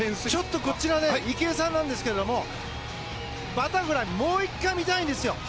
池江さんなんですがバタフライ、もう１回見たいんですよ。